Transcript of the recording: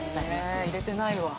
入れてないわ。